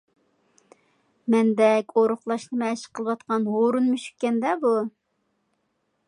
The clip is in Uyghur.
مەندەك ئورۇقلاشنى مەشىق قىلىۋاتقان ھۇرۇن مۈشۈككەندە بۇ؟